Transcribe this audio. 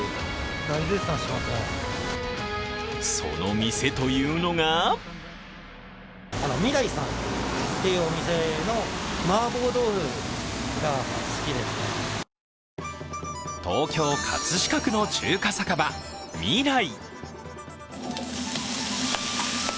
その店というのが東京・葛飾区の中華酒場、味来。